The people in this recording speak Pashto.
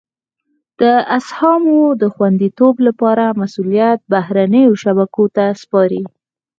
د اسهامو د خوندیتوب لپاره مسولیت بهرنیو شبکو ته سپاري.